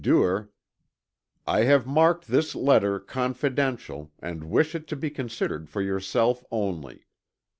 Duer: "I have marked this letter 'confidential,' and wish it to be considered for yourself only.